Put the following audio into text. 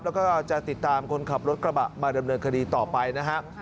แล้วก็จะติดตามคนขับรถกระบะมาดำเนินคดีต่อไปนะฮะ